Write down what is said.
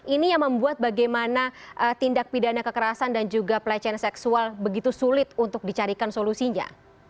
ini yang membuat bagaimana tindak pidana kekerasan dan juga pelecehan seksual begitu sulit untuk dicarikan solusinya